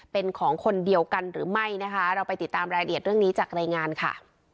เป็นของคนเดียวกันหรือไม่นะคะเราไปติดตามรายละเอียดเรื่องนี้จากรายงานค่ะ